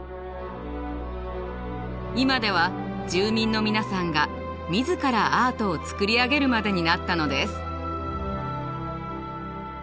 今では住民の皆さんが自らアートを作り上げるまでになったのです。